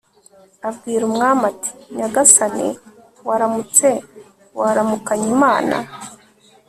abwira umwami ati «nyagasani waramutse waramukanye imana